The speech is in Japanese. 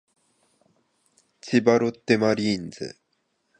千葉ロッテマリーンズ